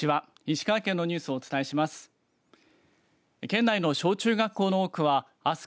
石川県のニュースをお伝えします。